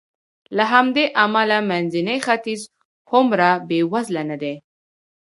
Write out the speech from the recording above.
له همدې امله منځنی ختیځ هومره بېوزله نه دی.